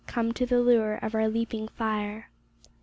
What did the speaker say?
Come to the lure of our leaping fire.